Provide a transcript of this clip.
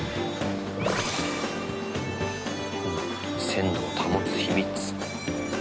鮮度を保つ秘密。